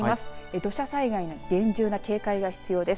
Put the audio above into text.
土砂災害に厳重な警戒が必要です。